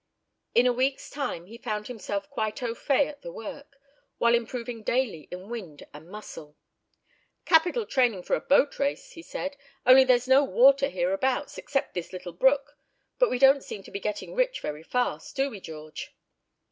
In a week's time he found himself quite au fait at the work, while improving daily in wind and muscle. "Capital training for a boat race," he said, "only there's no water hereabouts, except this little brook, but we don't seem to be getting rich very fast, do we, George?"